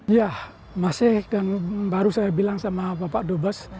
ya masih dan baru saya bilang sama bapak dubes